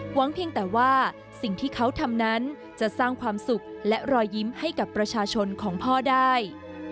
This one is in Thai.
เพียงแต่ว่าสิ่งที่เขาทำนั้นจะสร้างความสุขและรอยยิ้มให้กับประชาชนของพ่อได้